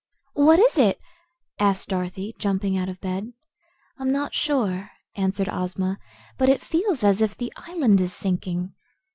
"What is it?" asked Dorothy, jumping out of bed. "I'm not sure," answered Ozma "but it feels as if the island is sinking."